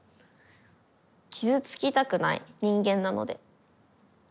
傷つきたくない人間なので。